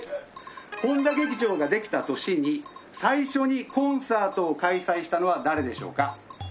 本多劇場ができた年に最初にコンサートを開催したのは誰でしょうか？